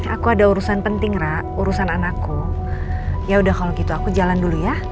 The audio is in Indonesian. aku ada urusan penting rak urusan anakku ya udah kalau gitu aku jalan dulu ya